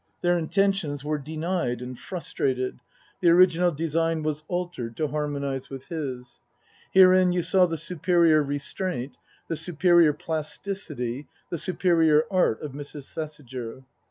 Their inten tions were denied and frustrated, the original design was altered to harmonize with his. Herein you saw the superior restraint, the superior plasticity, the superior art of Mrs. Thesiger.